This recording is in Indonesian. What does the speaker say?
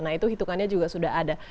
nah itu hitungannya juga sudah ada